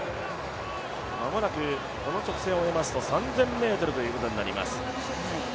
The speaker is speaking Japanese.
間もなく、この直線を終えますと３０００ｍということになります。